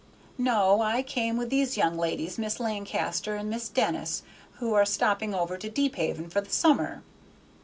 "No. I came with these young ladies, Miss Lancaster and Miss Denis, who are stopping over to Deephaven for the summer."